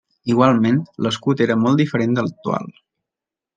Igualment, l'escut era molt diferent de l'actual.